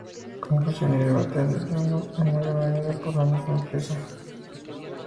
Confusión y debate alentado, en gran medida, por la misma empresa Electro-Harmonix.